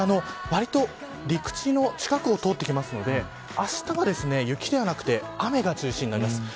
わりと陸地の近くを通っていくのであしたは雪ではなくて雨が中心になります。